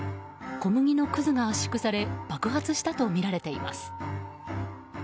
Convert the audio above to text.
小麦のくずが圧縮され爆発したとみられています。